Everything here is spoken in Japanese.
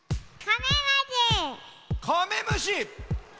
カメムシ。